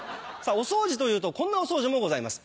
お掃除というとこんなお掃除もございます。